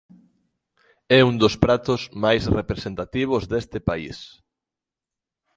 É un dos pratos máis representativos deste país.